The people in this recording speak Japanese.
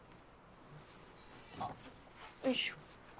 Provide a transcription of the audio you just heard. あっよいしょ。